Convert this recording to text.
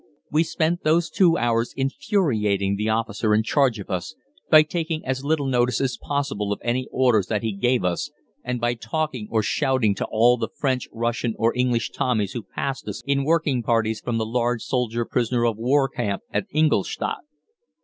We spent those two hours infuriating the officer in charge of us by taking as little notice as possible of any orders that he gave us, and by talking or shouting to all the French, Russian, or English Tommies who passed us in working parties from the large soldier prisoner of war camp at Ingolstadt.